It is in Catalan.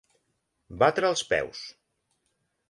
Batre els peus.